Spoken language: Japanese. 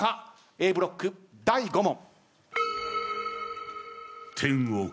Ａブロック第５問。